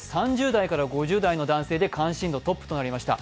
３０代から５０代の男性で関心度トップとなりました。